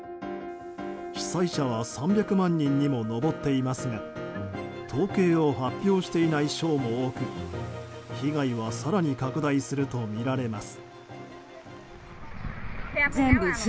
被災者は３００万人にも上っていますが統計を発表していない省も多く被害は更に拡大するとみられます。